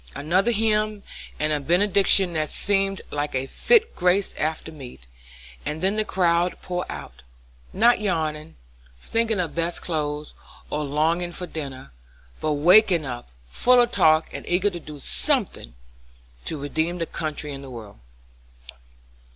Another hymn, and a benediction that seemed like a fit grace after meat, and then the crowd poured out; not yawning, thinking of best clothes, or longing for dinner, but waked up, full of talk, and eager to do something to redeem the country and the world.